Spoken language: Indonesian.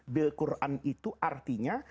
bilquran itu artinya